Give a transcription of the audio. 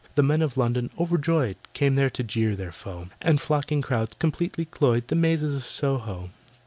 The Men of London, overjoyed, Came there to jeer their foe, And flocking crowds completely cloyed The mazes of Soho.